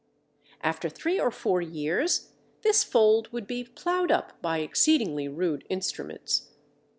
After three or four years, this fold would be ploughed up by exceedingly rude instruments.